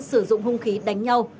sử dụng hung khí đánh nhau